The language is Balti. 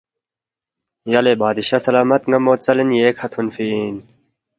یلے بادشاہ سلامت ن٘ا مو ژلین ییکھہ تھونفی اِن